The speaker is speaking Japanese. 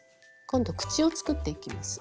今度口を作っていきます。